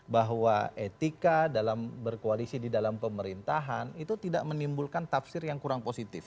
bahwa etika dalam berkoalisi di dalam pemerintahan itu tidak menimbulkan tafsir yang kurang positif